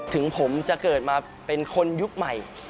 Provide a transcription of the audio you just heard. ถึงผมจะเกิดมาเป็นคนยุคใหม่